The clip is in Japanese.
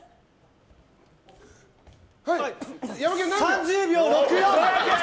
３０秒６４！